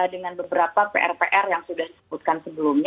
dengan beberapa pr pr yang sudah disebutkan sebelumnya